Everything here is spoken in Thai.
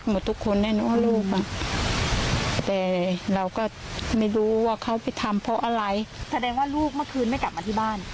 เมื่อนี้คืนไม่กลับมาที่บ้าน